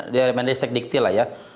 di mandiristik dikti lah ya